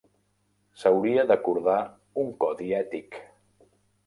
S'hauria d'acordar un codi ètic.